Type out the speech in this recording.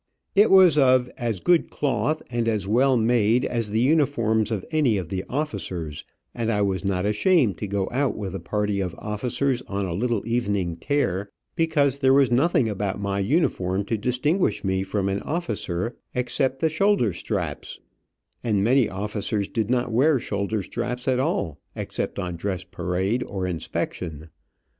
It was of as good cloth and as well made as the uniforms of any of the officers, and I was not ashamed to go out with a party of officers on a little evening tear, because there was nothing about my uniform to distinguish me from an officer, except the shoulder straps, and many officers did not wear shoulder straps at all, except on dress parade or inspection.